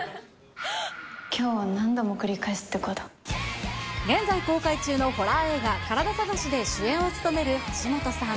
きょうを何度も繰り返すって現在公開中のホラー映画、カラダ探しで主演を務める橋本さん。